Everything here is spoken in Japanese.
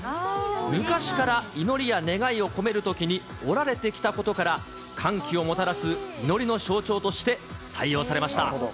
昔から祈りや願いを込めるときに折られてきたことから、歓喜をもたらす祈りの象徴として、採用されました。